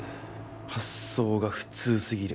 発想が普通すぎる。